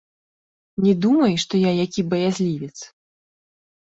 Не думай, што я які баязлівец.